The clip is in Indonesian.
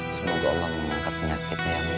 semoga allah mengangkat penyakitnya